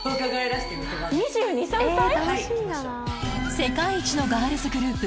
世界一のガールズグループ